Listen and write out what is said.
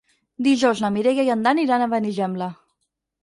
Dijous na Mireia i en Dan iran a Benigembla.